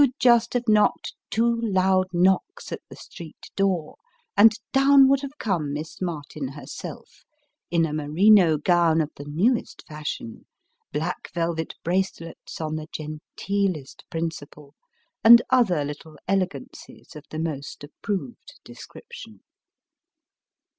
you'd just have knocked two loud knocks at the street door ; and down would have come Miss Martin herself, in a merino gown of the newest fashion, black velvet bracelets on the genteelest principle, and other little elegancies of the most approved description.